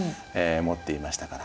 持っていましたから。